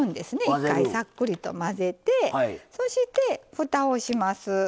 一回、さっくりと混ぜてそして、ふたをします。